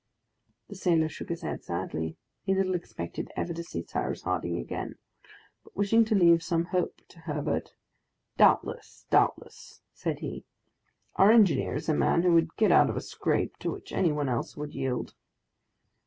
The sailor shook his head sadly. He little expected ever to see Cyrus Harding again; but wishing to leave some hope to Herbert: "Doubtless, doubtless," said he; "our engineer is a man who would get out of a scrape to which any one else would yield."